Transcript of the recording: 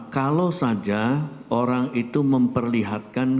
kalau saja orang itu memperlihatkan